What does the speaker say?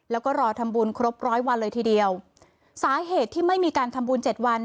แล้วก็รอทำบุญครบร้อยวันเลยทีเดียวสาเหตุที่ไม่มีการทำบุญเจ็ดวัน